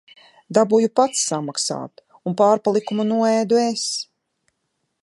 Dabūju pats samaksāt un pārpalikumu noēdu es.